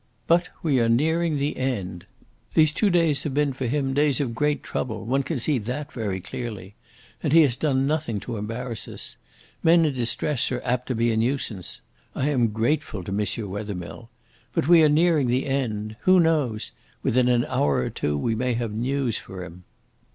"But we are nearing the end. These two days have been for him days of great trouble; one can see that very clearly. And he has done nothing to embarrass us. Men in distress are apt to be a nuisance. I am grateful to M. Wethermill. But we are nearing the end. Who knows? Within an hour or two we may have news for him."